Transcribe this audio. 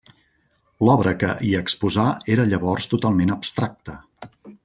L'obra que hi exposà era llavors totalment abstracta.